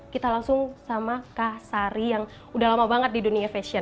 kita langsung sama kak sari yang udah lama banget di dunia fashion